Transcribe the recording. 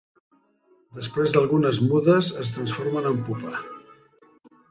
Després d'algunes mudes es transformen en pupa.